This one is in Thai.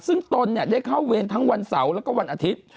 ซึ่งตนได้เข้าเวรทั้งวันเสาร์แล้วก็วันอาทิตย์